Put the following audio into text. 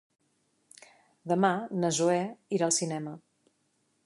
Demà na Zoè irà al cinema.